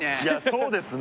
そうですね